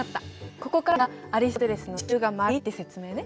ここからがアリストテレスの地球が丸いって説明ね。